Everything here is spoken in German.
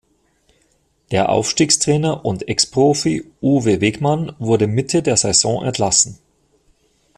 Der Aufstiegstrainer und Ex-Profi Uwe Wegmann wurde Mitte der Saison entlassen.